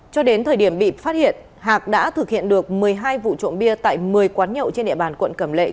cho đến thời điểm bị phát hiện hạc đã thực hiện được một mươi hai vụ trộm bia tại một mươi quán nhậu trên địa bàn quận cẩm lệ